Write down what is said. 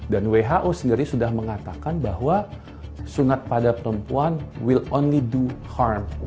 dan who sendiri sudah mengatakan bahwa sunat pada perempuan will only do harm